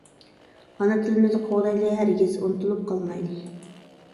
ئانا تىلىمىزنى قوغدايلى ھەرگىز ئۇنتۇلۇپ قالمايلى!